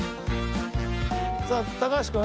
さあ高橋君。